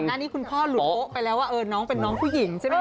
อันนี้คุณพ่อหลุดโป๊ะไปแล้วว่าน้องเป็นน้องผู้หญิงใช่ไหมค